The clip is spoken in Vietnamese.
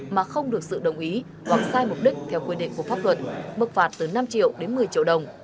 mà không được sự đồng ý hoặc sai mục đích theo quy định của pháp luật bức phạt từ năm triệu đến một mươi triệu đồng